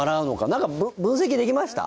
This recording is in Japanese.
何か分析できました？